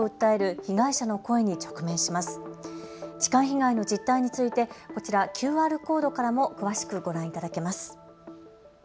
痴漢被害の実態についてこちらＱＲコードからも詳しくご覧いただけます。